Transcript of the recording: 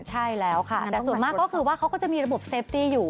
ใช่แล้วค่ะแต่ส่วนมากก็คือว่าเขาก็จะมีระบบเซฟตี้อยู่